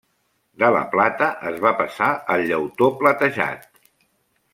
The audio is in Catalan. De la plata es va passar al llautó platejat.